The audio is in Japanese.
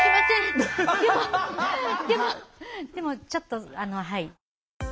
でもでもでもちょっとはい。